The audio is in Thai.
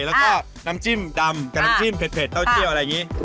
แล้วก็น้ำจิ้มดำกับน้ำจิ้มเผ็ดเต้าเจี่ยวอะไรอย่างนี้